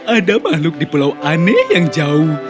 ada makhluk di pulau aneh yang jauh